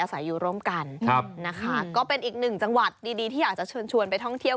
สวยทั้งคนสวยทั้งชุดเลยอ่ะนี่